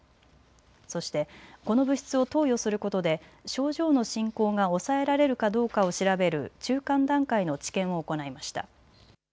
そしてこの物質を投与することで症状の進行が抑えられるかどうかを調べる中間段階の治験を行いました。